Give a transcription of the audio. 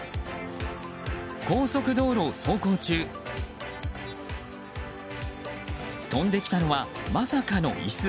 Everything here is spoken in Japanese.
高速道路を走行中飛んできたのはまさかの椅子？